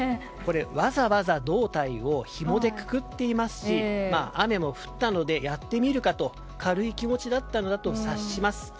わざわざ胴体をひもでくくっていますし雨も降ったのでやってみるかと軽い気持ちだったのかと察します。